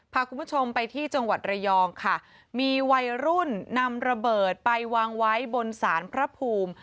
พาคุณผู้ชมไปที่จังหวัดระยองค่ะมีวัยรุ่นนำระเบิดไปวางไว้บนสารพระภูมิ